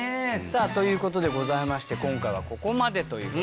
さあという事でございまして今回はここまでという。